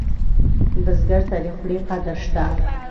بزګر ته د خولې قدر شته